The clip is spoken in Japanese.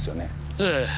ええ。